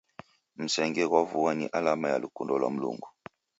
Msenge ghwa vua ni alama ya lukundo lwa Mlungu.